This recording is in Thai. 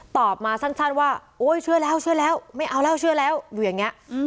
ตอบมาสั้นว่าโอ๊ยเชื่อแล้วเชื่อแล้วไม่เอาแล้วเชื่อแล้วอยู่อย่างนี้